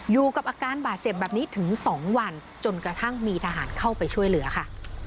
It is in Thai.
อยู่กับอาการบาดเจ็บแบบนี้ถึง๒วันจนกระทั่งมีทหารเข้าไปช่วยเหลือค่ะ